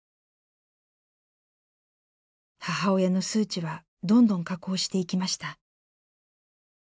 母親の数値はどんどん下降していきました。